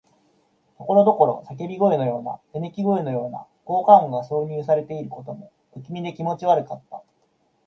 ところどころ叫び声のような、うめき声のような効果音が挿入されていることも、不気味で気持ち悪かった。